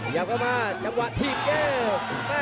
เข้ามาจังหวะถีบแก้ว